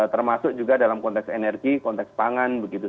termasuk juga dalam konteks energi konteks pangan begitu